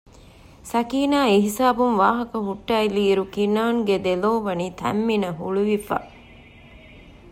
ސަކީނާ އެހިސާބުން ވާހަކަ ހުއްޓައިލިއިރު ކިނާންގެ ދެލޯވަނީ ތަންމިނަށް ހުޅުވިފަ